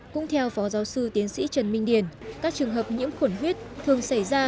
cũng theo phó giáo sư tiến sĩ trần minh điền các trường hợp nhiễm khuẩn huyết thường xảy ra